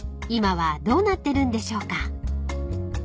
今はどうなってるんでしょうか］